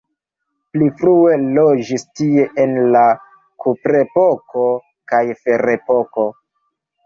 Pli frue loĝis tie en la kuprepoko kaj ferepoko.